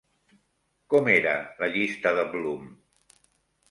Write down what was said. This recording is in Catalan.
Com era la llista de Bloom?